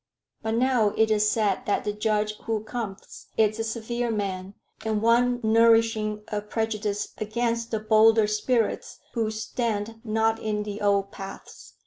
But now it is said that the judge who cometh is a severe man, and one nourishing a prejudice against the bolder spirits who stand not in the old paths."